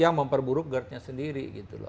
yang memperburuk gerdnya sendiri gitu loh